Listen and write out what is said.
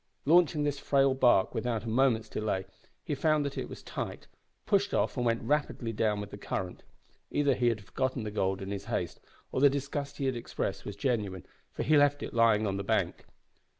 Launching this frail bark without a moment's delay, he found that it was tight; pushed off and went rapidly down with the current. Either he had forgotten the gold in his haste, or the disgust he had expressed was genuine, for he left it lying on the bank.